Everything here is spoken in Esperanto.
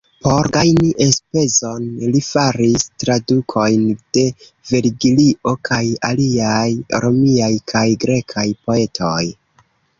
Por gajni enspezon li faris tradukojn de Vergilio kaj aliaj romiaj kaj grekaj poetoj.